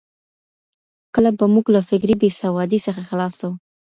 کله به موږ له فکري بېسوادۍ څخه خلاص سو؟